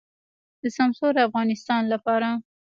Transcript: د سمسور افغانستان لپاره.